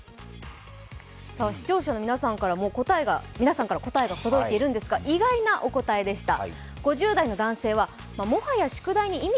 視聴者の皆さんからも答えが届いているんですが、意外なお答えでした。